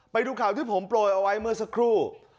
ไปดูข่าวที่ผมโปรยเอาไว้เมื่อสักครู่